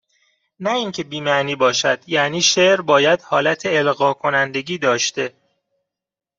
نه اینکه بی معنی باشد یعنی شعر باید حالت القا کنندگی داشته